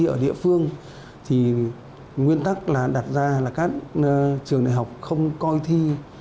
ở địa phương thì nguyên tắc là đặt ra là các trường đại học không coi thi